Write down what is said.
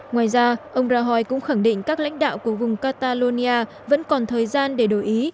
ngoài ra ông rahoi cũng khẳng định các lãnh đạo của vùng catalonia vẫn còn thời gian để đổi ý